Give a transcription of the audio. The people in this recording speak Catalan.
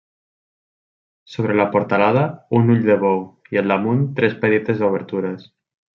Sobre la portalada, un ull de bou i al damunt, tres petites obertures.